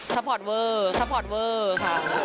พอร์ตเวอร์ซัพพอร์ตเวอร์ค่ะ